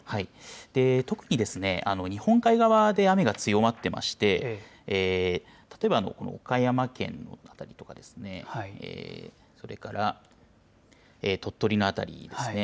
特に日本海側で雨が強まってまして、例えば、岡山県の辺りとかですね、それから鳥取の辺りですね。